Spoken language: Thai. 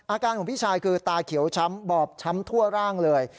อาการของพี่ชายคือตาเขียวช้ำบอบช้ำทั่วร่างเลย